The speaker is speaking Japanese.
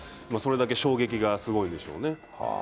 それだけ衝撃がすごいんでしょうね。